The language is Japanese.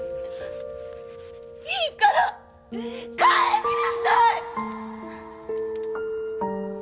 いいから帰りなさい！